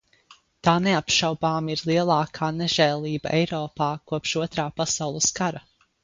Tā neapšaubāmi ir lielākā nežēlība Eiropā kopš Otrā pasaules kara.